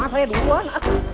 tadi saya sudah datang duluan